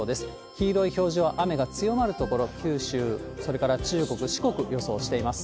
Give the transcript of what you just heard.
黄色い表示は雨が強まる所、九州、それから中国、四国、予想しています。